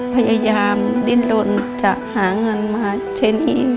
พยายามดิ้นลนจะหาเงินมาใช้หนี้